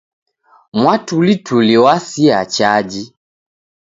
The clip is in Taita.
Mwatulituli w'asia chaji.